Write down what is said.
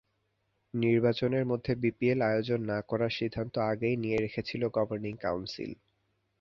নির্বাচনের মধ্যে বিপিএল আয়োজন না করার সিদ্ধান্ত আগেই নিয়ে রেখেছিল গভর্নিং কাউন্সিল।